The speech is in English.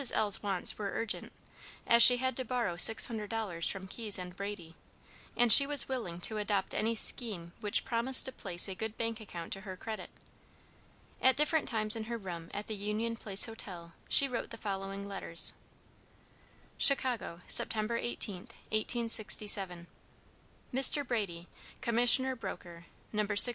L.'s wants were urgent, as she had to borrow $600 from Keyes and Brady, and she was willing to adopt any scheme which promised to place a good bank account to her credit. At different times in her room at the Union Place Hotel she wrote the following letters: CHICAGO, Sept. 18, 1867. "MR. BRADY, _Commission Broker, No.